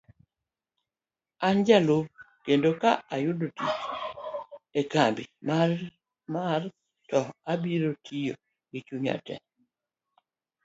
An jaluor kendo ka ayudo tich e kambi mar to abiro tiyo gichunya te.